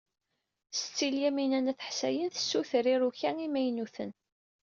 Setti Lyamina n At Ḥsayen tessuter iruka imaynuten.